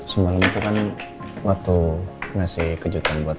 semalam itu kan waktu ngasih kejutan buat